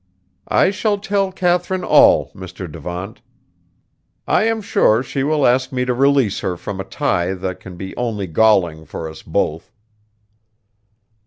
"I shall tell Katharine all, Mr. Devant. I am sure she will ask me to release her from a tie that can be only galling for us both."